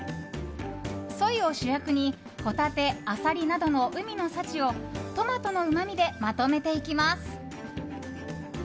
ソイを主役にホタテ、アサリなどの海の幸をトマトのうまみでまとめていきます。